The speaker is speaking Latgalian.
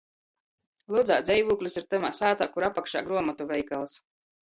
Ludzā dzeivūklis ir tamā sātā, kur apakšā gruomotu veikals.